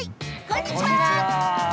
こんにちは。